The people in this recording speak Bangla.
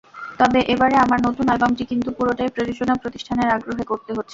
তবে, এবারে আমার নতুন অ্যালবামটি কিন্তু পুরোটাই প্রযোজনা প্রতিষ্ঠানের আগ্রহে করতে হচ্ছে।